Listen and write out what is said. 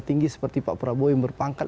tinggi seperti pak prabowo yang berpangkat